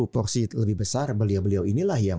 porsi lebih besar beliau beliau inilah yang